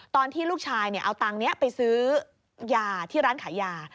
ตอนที่ลูกชายเอาตังค์นี้ไปซื้อยาที่ร้านขายยา